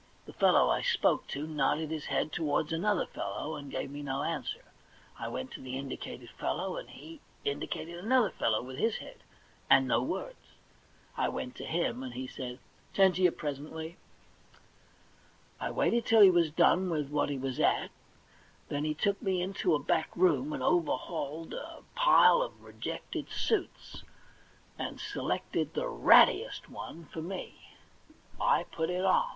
The fellow I spoke to nodded his head towards another fellow, and gave me no answer. I went to the indicated fellow, and he indicated another fellow with his head, and no words. I went to him, and he said :* 'Tend to you presently.' I waited till he was done with what he was at, then he took me into a bade room, and overhauled a pile of rejected suits, and selected the rattiest one 12 THE £1,000,000 BANK NOTE for me. 1 put it on.